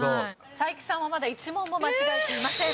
才木さんはまだ１問も間違えていません。